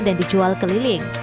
dan dijual keliling